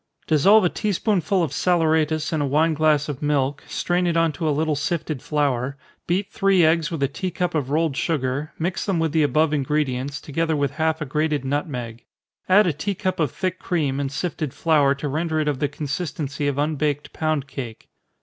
_ Dissolve a tea spoonful of saleratus in a wine glass of milk, strain it on to a little sifted flour, beat three eggs with a tea cup of rolled sugar, mix them with the above ingredients, together with half a grated nutmeg. Add a tea cup of thick cream, and sifted flour to render it of the consistency of unbaked pound cake.